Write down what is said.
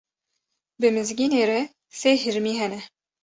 Bi Mizgînê re sê hirmî hene.